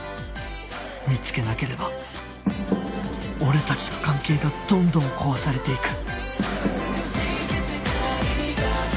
見つけなければ俺たちの関係がどんどん壊されていく